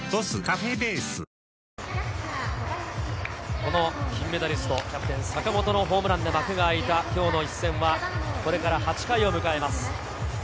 この金メダリスト、キャプテン・坂本のホームランで幕が開いた今日の一戦は、これから８回を迎えます。